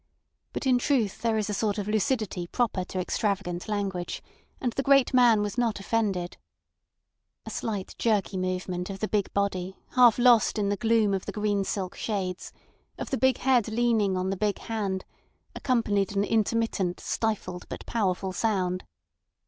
But in truth there is a sort of lucidity proper to extravagant language, and the great man was not offended. A slight jerky movement of the big body half lost in the gloom of the green silk shades, of the big head leaning on the big hand, accompanied an intermittent stifled but powerful sound.